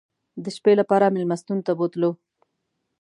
د شپې لپاره مېلمستون ته بوتلو.